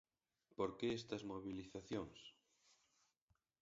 ¿Por que estas mobilizacións?